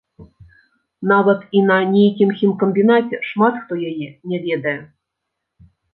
Нават і на нейкім хімкамбінаце шмат хто яе не ведае.